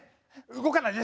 動かないで！